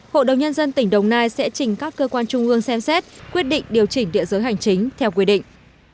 hội đồng nhân dân tỉnh đồng nai sẽ trình các cơ quan trung ương xem xét quyết định điều chỉnh địa giới hành chính theo quy định